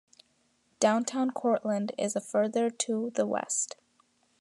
Downtown Cortland is a further to the west.